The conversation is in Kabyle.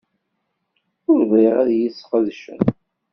Ur bɣiɣ ad iyi-sqedcen.